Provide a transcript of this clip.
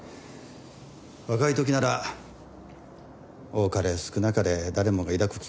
若い時なら多かれ少なかれ誰もが抱く気持ちでしょう。